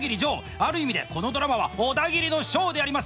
ある意味でこのドラマはオダギリのショーであります。